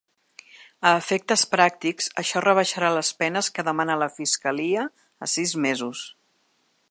A efectes pràctics això rebaixarà les penes que demana la fiscalia a sis mesos.